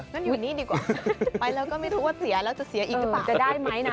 งั้นอยู่นี่ดีกว่าไปแล้วก็ไม่รู้ว่าเสียแล้วจะเสียอีกหรือเปล่าจะได้ไหมนะ